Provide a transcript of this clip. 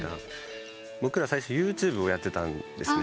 僕ら最初ＹｏｕＴｕｂｅをやってたんですね。